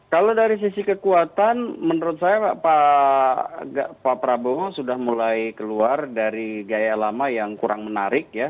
kalau dari sisi kekuatan menurut saya pak prabowo sudah mulai keluar dari gaya lama yang kurang menarik ya